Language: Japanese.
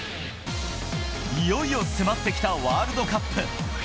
いよいよ迫ってきたワールドカップ。